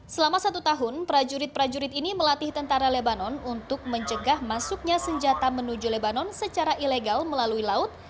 selama satu tahun prajurit prajurit ini melatih tentara lebanon untuk mencegah masuknya senjata menuju lebanon secara ilegal melalui laut